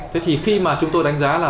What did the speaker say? vậy thì khi mà chúng tôi đánh giá là